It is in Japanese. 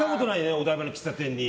お台場の喫茶店に。